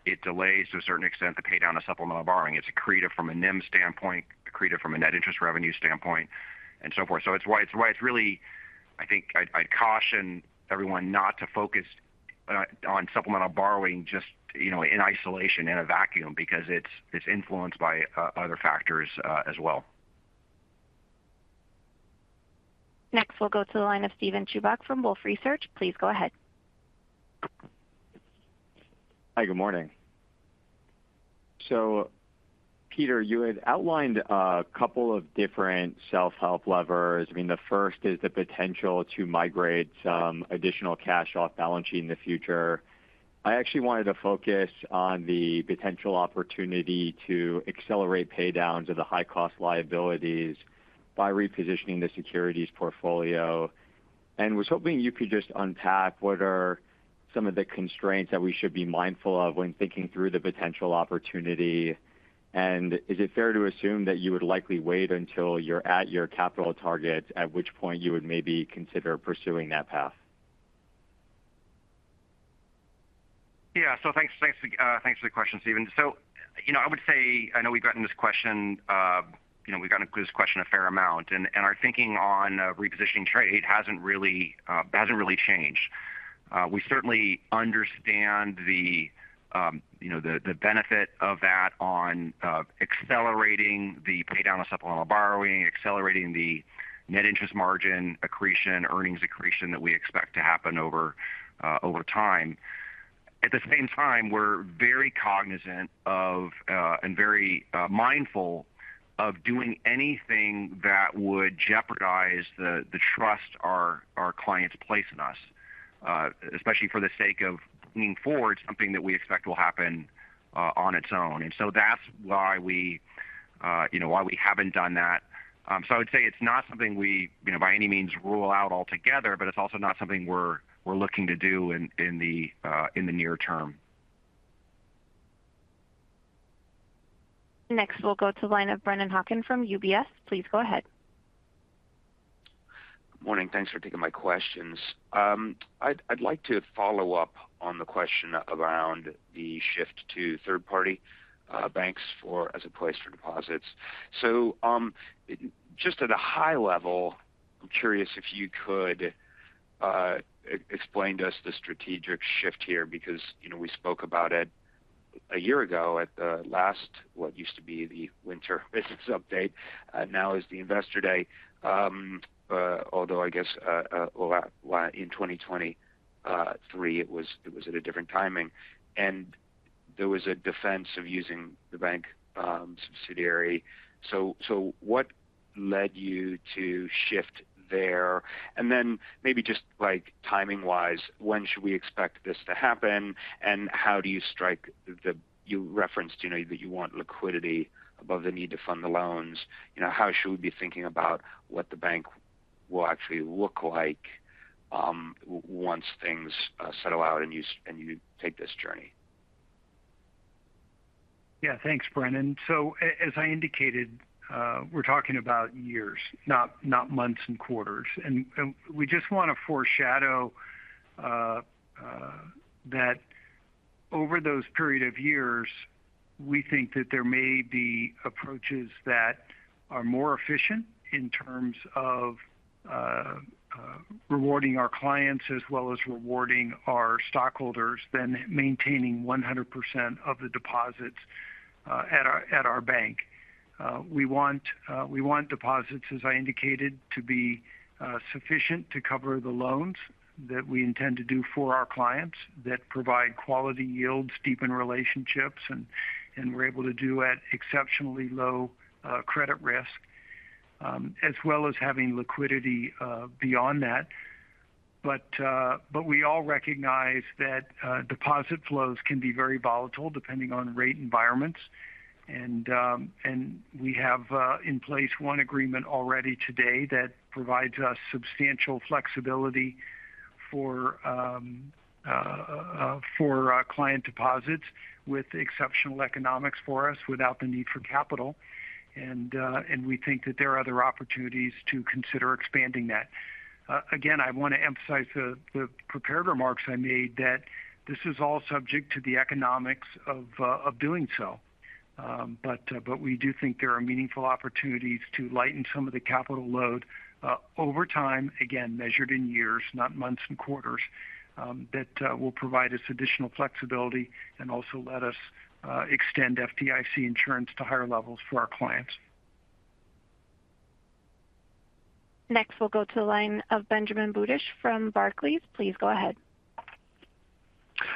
S4: it delays to a certain extent, the pay down of supplemental borrowing. It's accretive from a NIM standpoint, accretive from a net interest revenue standpoint, and so forth. So it's why I think I'd caution everyone not to focus on supplemental borrowing, just, you know, in isolation, in a vacuum, because it's influenced by other factors, as well.
S5: Next, we'll go to the line of Steven Chubak from Wolfe Research. Please go ahead.
S10: Hi, good morning. So Peter, you had outlined a couple of different self-help levers. I mean, the first is the potential to migrate some additional cash off balance sheet in the future. I actually wanted to focus on the potential opportunity to accelerate pay downs of the high-cost liabilities by repositioning the securities portfolio. And was hoping you could just unpack what are some of the constraints that we should be mindful of when thinking through the potential opportunity? And is it fair to assume that you would likely wait until you're at your capital target, at which point you would maybe consider pursuing that path?
S4: Yeah. So thanks, thanks, thanks for the question, Steven. So, you know, I would say, I know we've gotten this question, you know, we've gotten this question a fair amount, and, and our thinking on, repositioning trade hasn't really, hasn't really changed. We certainly understand the, you know, the, the benefit of that on, accelerating the pay down of Supplemental Borrowing, accelerating the net interest margin, accretion, earnings accretion that we expect to happen over, over time. At the same time, we're very cognizant of, and very, mindful of doing anything that would jeopardize the, the trust our, our clients place in us, especially for the sake of leaning forward, something that we expect will happen, on its own. And so that's why we, you know, why we haven't done that. So, I would say it's not something we, you know, by any means rule out altogether, but it's also not something we're looking to do in the near term.
S5: Next, we'll go to the line of Brendan Hawken from UBS. Please go ahead.
S11: Good morning. Thanks for taking my questions. I'd like to follow up on the question around the shift to third-party banks for, as a place for deposits. So, just at a high level, I'm curious if you could explain to us the strategic shift here, because, you know, we spoke about it a year ago at the last, what used to be the Winter Business Update, now is the Investor Day. Although I guess, well, in 2023, it was at a different timing, and there was a defense of using the bank subsidiary. So what led you to shift there? Then maybe just, like, timing-wise, when should we expect this to happen, and how do you strike the, you referenced, you know, that you want liquidity above the need to fund the loans. You know, how should we be thinking about what the bank will actually look like once things settle out and you take this journey?
S2: Yeah, thanks, Brendan. So as I indicated, we're talking about years, not, not months and quarters. And, and we just want to foreshadow that over those period of years, we think that there may be approaches that are more efficient in terms of rewarding our clients as well as rewarding our stockholders, than maintaining 100% of the deposits at our bank. We want deposits, as I indicated, to be sufficient to cover the loans that we intend to do for our clients, that provide quality yields, deepen relationships, and, and we're able to do at exceptionally low credit risk, as well as having liquidity beyond that. But, but we all recognize that deposit flows can be very volatile depending on rate environments. And we have in place one agreement already today that provides us substantial flexibility for our client deposits with exceptional economics for us without the need for capital. And we think that there are other opportunities to consider expanding that. Again, I want to emphasize the prepared remarks I made, that this is all subject to the economics of doing so. But we do think there are meaningful opportunities to lighten some of the capital load over time, again, measured in years, not months and quarters, that will provide us additional flexibility and also let us extend FDIC insurance to higher levels for our clients.
S5: Next, we'll go to the line of Benjamin Budish from Barclays. Please go ahead.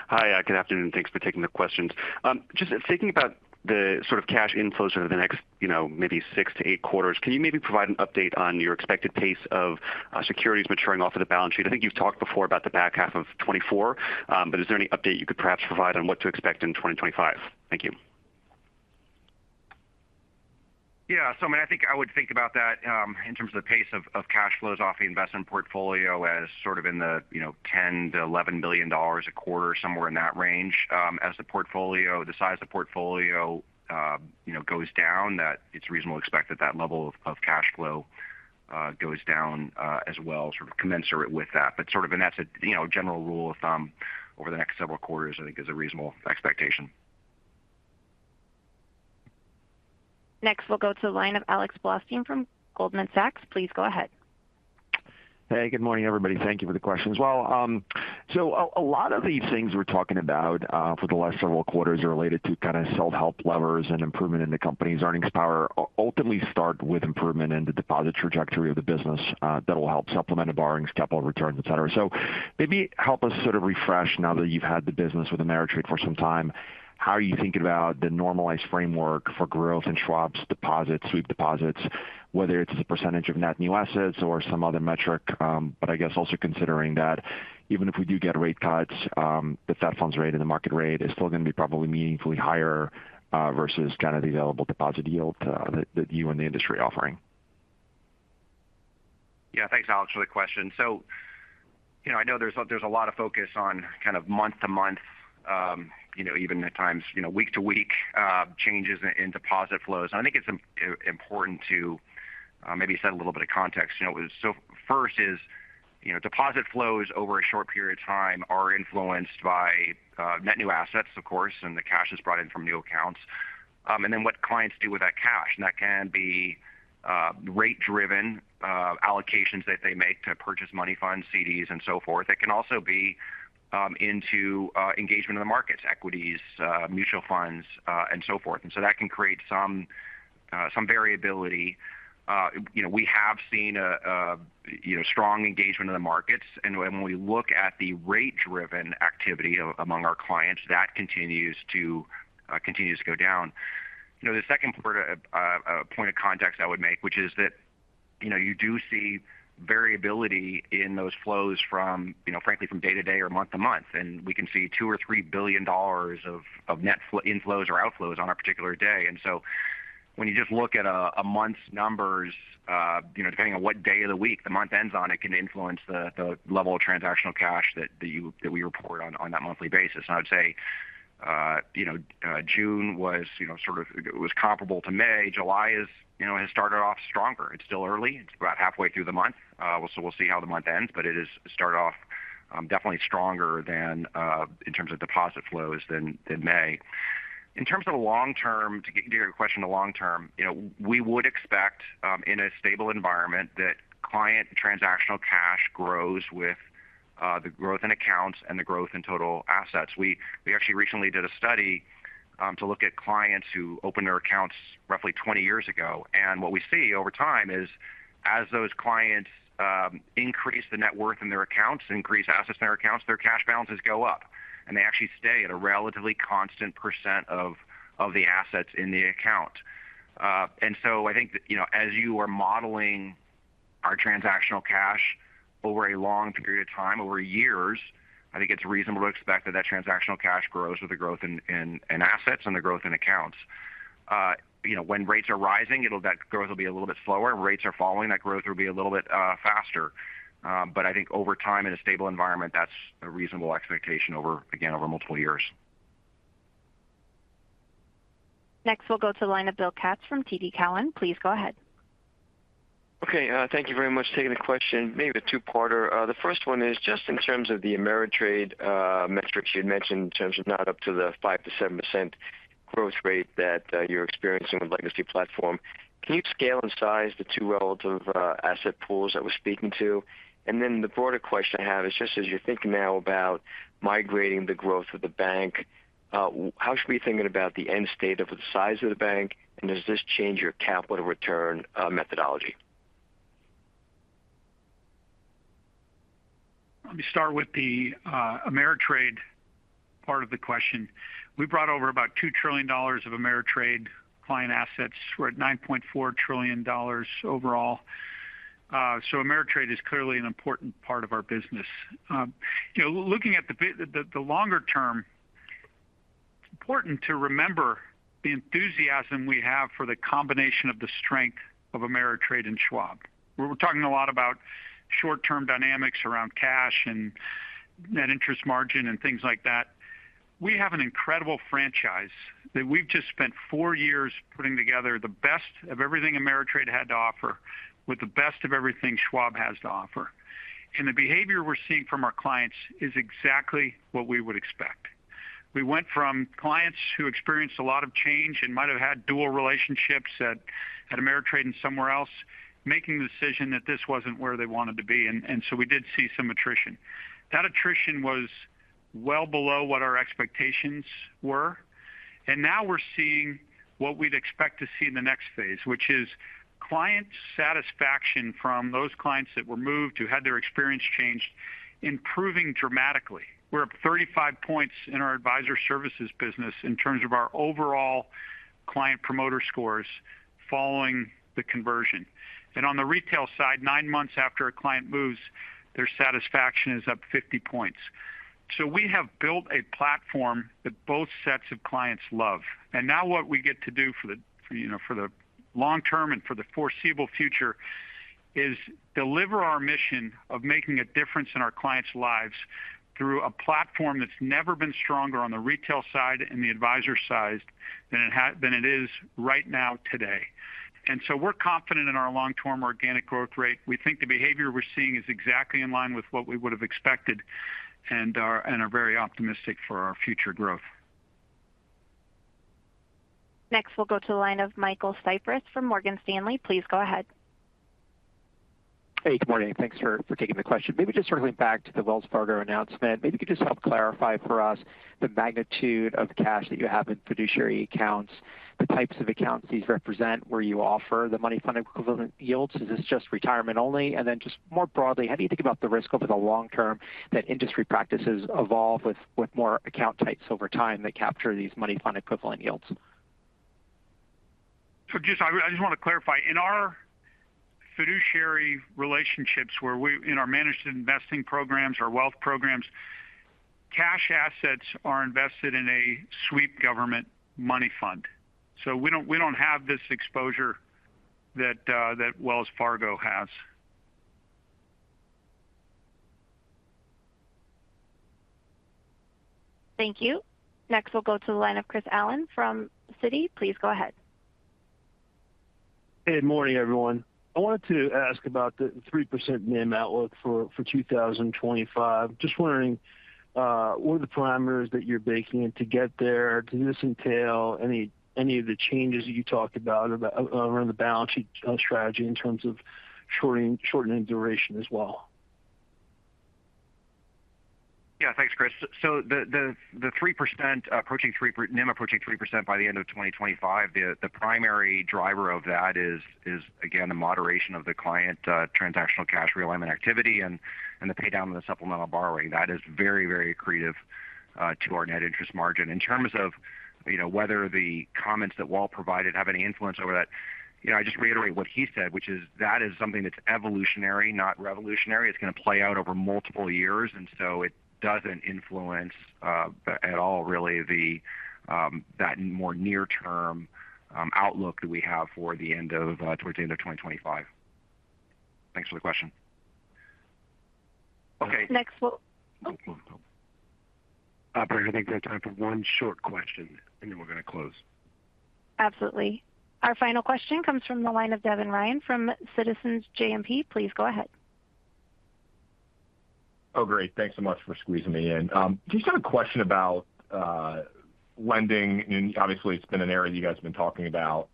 S12: Hi, good afternoon, and thanks for taking the questions. Just thinking about the sort of cash inflows over the next, you know, maybe 6 to 8 quarters, can you maybe provide an update on your expected pace of, securities maturing off of the balance sheet? I think you've talked before about the back half of 2024, but is there any update you could perhaps provide on what to expect in 2025? Thank you.
S4: Yeah. So, I mean, I think I would think about that, in terms of the pace of cash flows off the investment portfolio as sort of in the, you know, $10 billion-$11 billion a quarter, somewhere in that range. As the portfolio—the size of the portfolio, you know, goes down, that it's reasonable to expect that that level of cash flow goes down, as well, sort of commensurate with that. But sort of and that's a, you know, general rule of thumb over the next several quarters, I think is a reasonable expectation.
S5: Next, we'll go to the line of Alex Blostein from Goldman Sachs. Please go ahead.
S13: Hey, good morning, everybody. Thank you for the questions. Well, so a lot of these things we're talking about for the last several quarters are related to kind of self-help levers and improvement in the company's earnings power, ultimately start with improvement in the deposit trajectory of the business, that will help supplement the borrowings, capital returns, et cetera. So maybe help us sort of refresh now that you've had the business with Ameritrade for some time, how are you thinking about the normalized framework for growth in Schwab's deposits, sweep deposits, whether it's the percentage of net new assets or some other metric? But I guess also considering that even if we do get rate cuts, the Fed funds rate and the market rate is still going to be probably meaningfully higher, versus kind of the available deposit yield, that you and the industry are offering.
S4: Yeah, thanks, Alex, for the question. So, you know, I know there's a lot of focus on kind of month-to-month, you know, even at times, you know, week-to-week changes in deposit flows. I think it's important to maybe set a little bit of context. You know, so first is, you know, deposit flows over a short period of time are influenced by net new assets, of course, and the cash is brought in from new accounts, and then what clients do with that cash. And that can be rate-driven allocations that they make to purchased money funds, CDs, and so forth. It can also be into engagement in the markets, equities, mutual funds, and so forth. And so that can create some variability. You know, we have seen, you know, strong engagement in the markets, and when we look at the rate-driven activity among our clients, that continues to go down. You know, the second part of point of context I would make, which is that you know, you do see variability in those flows from, you know, frankly, from day to day or month to month. And we can see $2 billion or $3 billion of net inflows or outflows on a particular day. And so when you just look at a month's numbers, you know, depending on what day of the week the month ends on, it can influence the level of transactional cash that we report on that monthly basis. I'd say, you know, June was, you know, sort of, it was comparable to May. July is, you know, has started off stronger. It's still early. It's about halfway through the month, so we'll see how the month ends, but it has started off, definitely stronger than, in terms of deposit flows than, than May. In terms of the long term, to get to your question, the long term, you know, we would expect, in a stable environment that client transactional cash grows with, the growth in accounts and the growth in total assets. We actually recently did a study, to look at clients who opened their accounts roughly 20 years ago. What we see over time is, as those clients increase the net worth in their accounts, increase assets in their accounts, their cash balances go up, and they actually stay at a relatively constant percent of the assets in the account. And so I think, you know, as you are modeling our transactional cash over a long period of time, over years, I think it's reasonable to expect that that transactional cash grows with the growth in assets and the growth in accounts. You know, when rates are rising, that growth will be a little bit slower. When rates are falling, that growth will be a little bit faster. But I think over time, in a stable environment, that's a reasonable expectation over again over multiple years.
S5: Next, we'll go to the line of Bill Katz from TD Cowen. Please go ahead.
S14: Okay, thank you very much for taking the question. Maybe a two-parter. The first one is just in terms of the Ameritrade metrics you'd mentioned in terms of not up to the 5%-7% growth rate that you're experiencing with legacy platform. Can you scale and size the two relative asset pools that we're speaking to? And then the broader question I have is, just as you're thinking now about migrating the growth of the bank, how should we be thinking about the end state of the size of the bank, and does this change your capital return methodology?
S3: Let me start with the Ameritrade part of the question. We brought over about $2 trillion of Ameritrade client assets. We're at $9.4 trillion overall. So Ameritrade is clearly an important part of our business. You know, looking at the longer term, it's important to remember the enthusiasm we have for the combination of the strength of Ameritrade and Schwab, where we're talking a lot about short-term dynamics around cash and net interest margin and things like that. We have an incredible franchise that we've just spent four years putting together the best of everything Ameritrade had to offer, with the best of everything Schwab has to offer. And the behavior we're seeing from our clients is exactly what we would expect We went from clients who experienced a lot of change and might have had dual relationships at, at Ameritrade and somewhere else, making the decision that this wasn't where they wanted to be, and, and so we did see some attrition. That attrition was well below what our expectations were, and now we're seeing what we'd expect to see in the next phase, which is client satisfaction from those clients that were moved, who had their experience changed, improving dramatically. We're up 35 points in our Advisor Services business in terms of our overall Client Promoter Score following the conversion. On the retail side, nine months after a client moves, their satisfaction is up 50 points. So we have built a platform that both sets of clients love, and now what we get to do for the, you know, for the long term and for the foreseeable future, is deliver our mission of making a difference in our clients' lives through a platform that's never been stronger on the retail side and the advisor side than it is right now today. So we're confident in our long-term organic growth rate. We think the behavior we're seeing is exactly in line with what we would have expected and are very optimistic for our future growth.
S5: Next, we'll go to the line of Michael Cyprys from Morgan Stanley. Please go ahead.
S15: Hey, good morning. Thanks for taking the question. Maybe just circling back to the Wells Fargo announcement. Maybe you could just help clarify for us the magnitude of cash that you have in fiduciary accounts, the types of accounts these represent, where you offer the money fund equivalent yields. Is this just retirement only? And then just more broadly, how do you think about the risk over the long term that industry practices evolve with more account types over time that capture these money fund equivalent yields?
S3: So, I just want to clarify. In our fiduciary relationships, in our managed investing programs or wealth programs, cash assets are invested in a sweep government money fund. So we don't, we don't have this exposure that Wells Fargo has.
S5: Thank you. Next, we'll go to the line of Chris Allen from Citi. Please go ahead.
S16: Good morning, everyone. I wanted to ask about the 3% NIM outlook for 2025. Just wondering what are the parameters that you're baking in to get there? Does this entail any of the changes that you talked about around the balance sheet strategy in terms of shortening duration as well?
S4: Yeah, thanks, Chris. So the approaching 3% NIM approaching 3% by the end of 2025, the primary driver of that is again the moderation of the client transactional cash realignment activity and the pay down of the supplemental borrowing. That is very, very accretive to our net interest margin. In terms of, you know, whether the comments that Walt provided have any influence over that... Yeah, I just reiterate what he said, which is that is something that's evolutionary, not revolutionary. It's going to play out over multiple years, and so it doesn't influence at all really that more near-term outlook that we have for the end of towards the end of 2025. Thanks for the question. Okay.
S5: Okay.
S4: Operator, I think we have time for one short question, and then we're going to close.
S5: Absolutely. Our final question comes from the line of Devin Ryan from Citizens JMP. Please go ahead.
S17: Oh, great. Thanks so much for squeezing me in. Just have a question about lending, and obviously, it's been an area you guys have been talking about,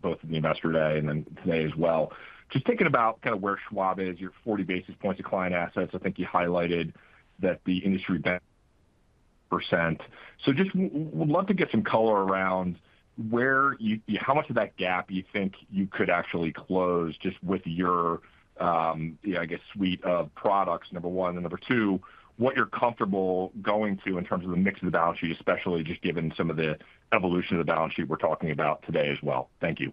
S17: both in the Investor Day and then today as well. Just thinking about kind of where Schwab is, your 40 basis points of client assets, I think you highlighted that the industry percent. So just would love to get some color around where you how much of that gap you think you could actually close just with your, yeah, I guess, suite of products, number one, and number two, what you're comfortable going to in terms of the mix of the balance sheet, especially just given some of the evolution of the balance sheet we're talking about today as well. Thank you.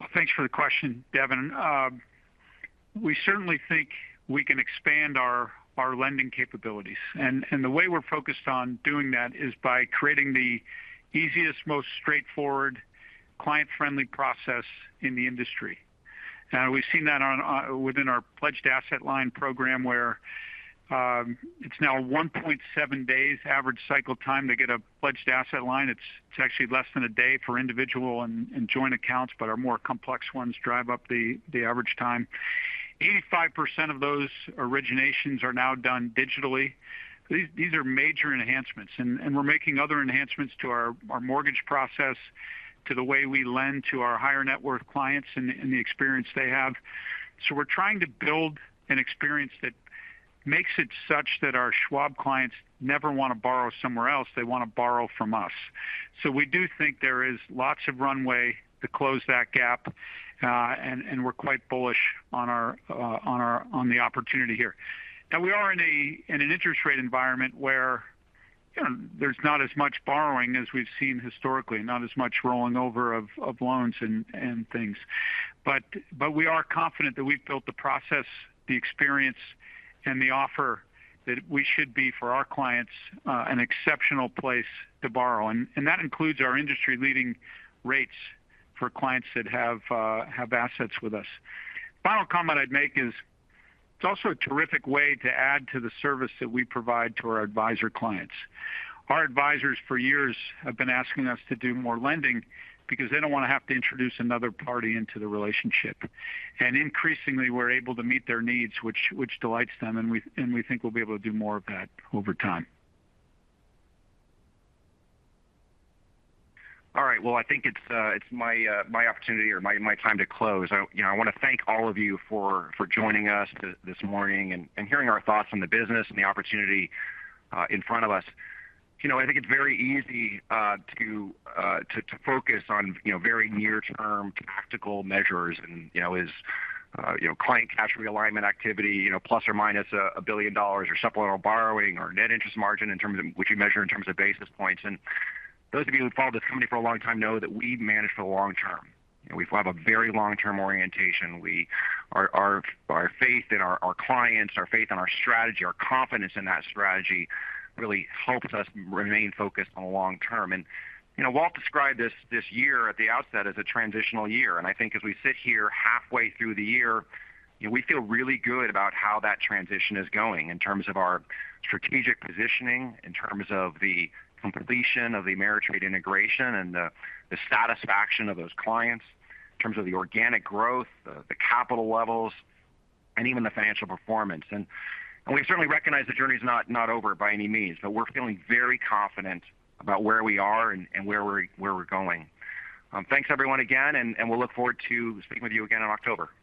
S3: Well, thanks for the question, Devin. We certainly think we can expand our lending capabilities, and the way we're focused on doing that is by creating the easiest, most straightforward, client-friendly process in the industry. Now, we've seen that within our Pledged Asset Line program, where it's now 1.7 days average cycle time to get a Pledged Asset Line. It's actually less than a day for individual and joint accounts, but our more complex ones drive up the average time. 85% of those originations are now done digitally. These are major enhancements, and we're making other enhancements to our mortgage process, to the way we lend to our higher net worth clients and the experience they have. So we're trying to build an experience that makes it such that our Schwab clients never want to borrow somewhere else, they want to borrow from us. So we do think there is lots of runway to close that gap, and we're quite bullish on the opportunity here. Now, we are in an interest rate environment where, you know, there's not as much borrowing as we've seen historically, not as much rolling over of loans and things. But we are confident that we've built the process, the experience, and the offer that we should be, for our clients, an exceptional place to borrow. And that includes our industry-leading rates for clients that have assets with us. Final comment I'd make is, it's also a terrific way to add to the service that we provide to our advisor clients. Our advisors, for years, have been asking us to do more lending because they don't want to have to introduce another party into the relationship. And increasingly, we're able to meet their needs, which, which delights them, and we, and we think we'll be able to do more of that over time.
S4: All right. Well, I think it's my opportunity or my time to close. I you know I want to thank all of you for joining us this morning and hearing our thoughts on the business and the opportunity in front of us. You know, I think it's very easy to focus on very near-term tactical measures and you know is client cash realignment activity you know plus or minus $1 billion, or supplemental borrowing or net interest margin in terms of which you measure in terms of basis points. And those of you who followed this company for a long time know that we manage for the long term. We have a very long-term orientation. Our faith in our clients, our faith in our strategy, our confidence in that strategy, really helps us remain focused on the long term. And, you know, Walt described this year at the outset as a transitional year, and I think as we sit here halfway through the year, you know, we feel really good about how that transition is going in terms of our strategic positioning, in terms of the completion of the Ameritrade integration and the satisfaction of those clients, in terms of the organic growth, the capital levels, and even the financial performance. And we certainly recognize the journey is not over by any means, but we're feeling very confident about where we are and where we're going. Thanks, everyone, again, and we'll look forward to speaking with you again in October.